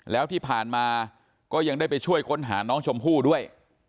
แล้วที่ผ่านมาก็ยังได้ไปช่วยค้นหาน้องชมพู่ด้วย